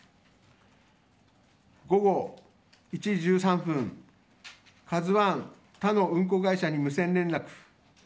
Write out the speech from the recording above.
午後１時１３分「ＫＡＺＵ１」、他の運航会社に無線連絡。